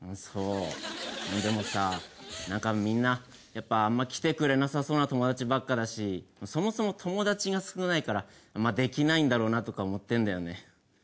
そうでもさなんかみんなやっぱあんま来てくれなさそうな友達ばっかだしそもそも友達が少ないからできないんだろうなとか思ってるんだよね。